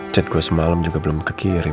chat gue semalam juga belum kekirim